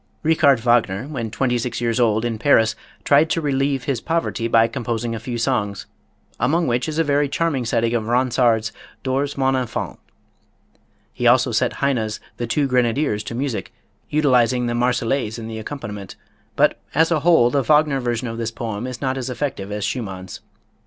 Richard Wagner, when twenty six years old, in Paris, tried to relieve his poverty by composing a few songs, among which is a very charming setting of Ronsard's "Dors mon enfant." He also set Heine's "The Two Grenadiers" to music, utilizing the "Marsellaise" in the accompaniment; but, as a whole, the Wagner version of this poem is not as effective as Schumann's.